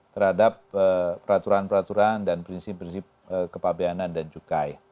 terhadap peraturan peraturan dan prinsip prinsip kepabeanan dan cukai